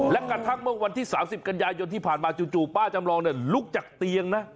และกระทั่งเมื่อวันที่๓๐กันยายนที่ผ่านมาจู่ป้าจำลองลุกจากเตียงนะ